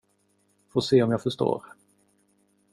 Få se om jag förstår.